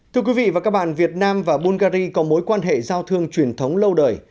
thưa quý vị và các bạn việt nam và bungary có mối quan hệ giao thương truyền thống lâu đời